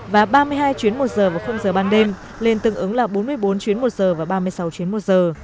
và ba mươi hai chuyến một giờ vào giờ ban đêm lên tương ứng là bốn mươi bốn chuyến một giờ và ba mươi sáu chuyến một giờ